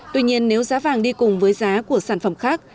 tuy nhiên nếu giá vàng đi cùng với giá của sản phẩm khác